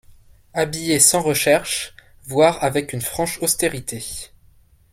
habillée sans recherche, voire avec une franche austérité.